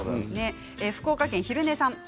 福岡県の方からです。